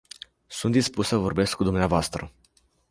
Sunt dispus să vorbesc cu dvs.